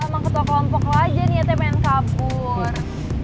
sama ketua kelompok aja niatnya pengen kabur